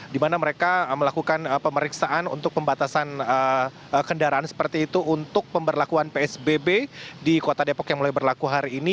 di mana mereka melakukan pemeriksaan untuk pembatasan kendaraan seperti itu untuk pemberlakuan psbb di kota depok yang mulai berlaku hari ini